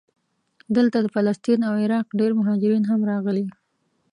دلته د فلسطین او عراق ډېر مهاجرین هم راغلي.